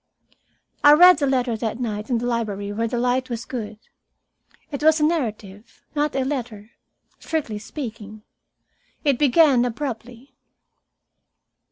I read the letter that night in the library where the light was good. It was a narrative, not a letter, strictly speaking. It began abruptly.